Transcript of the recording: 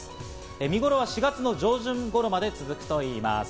見頃は４月の上旬頃まで続くといいます。